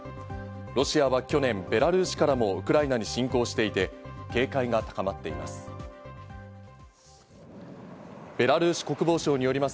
ロシアは去年、ベラルーシからもウクライナに侵攻していて、警戒が高まっています。